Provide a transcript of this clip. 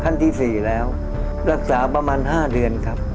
ขั้นที่๔แล้วรักษาประมาณ๕เดือนครับ